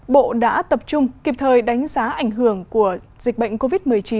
bộ đã tập trung kịp thời đánh giá ảnh hưởng của dịch bệnh covid một mươi chín